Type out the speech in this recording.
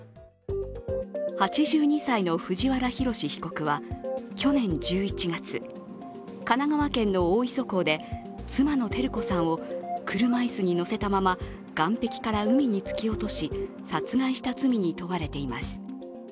８２歳の藤原宏被告は去年１１月、神奈川県の大磯港で妻の照子さんを、車椅子に乗せたまま岸壁から海に突き落とし殺害した罪に問われています。